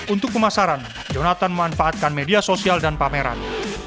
untuk pemasaran jonathan memanfaatkan media sosial dan pameran